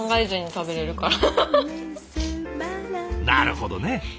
なるほどね。